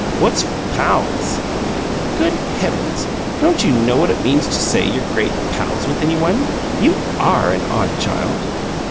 "What's 'pals'?" "Good heavens! Don't you know what it means to say you're 'great pals' with any one? You ARE an odd child!"